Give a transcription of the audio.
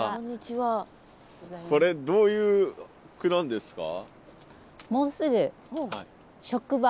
これどういう句なんですか？